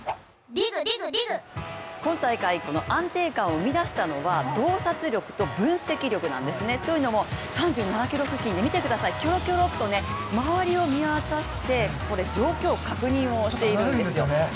今大会、この安定感を生み出したのは洞察力と分析力なんですね。というのも、３７ｋｍ付近で見てくださいキョロキョロっと周りを見渡して状況を確認しているんですよ。